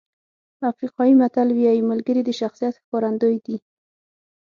افریقایي متل وایي ملګري د شخصیت ښکارندوی دي.